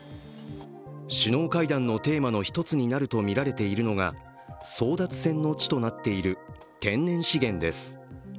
首脳会談のテーマの１つになるとみられているのが争奪戦の地となっている天然資源です。